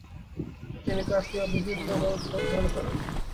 তিনি কাফিয়া ও বিভিন্ন গ্রন্থ অধ্যয়ন করেন।